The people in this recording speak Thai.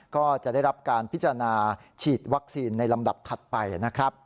ก็จะได้รับการพิจารณาฉีดวัคซีนในลำดับถัดไปนะครับ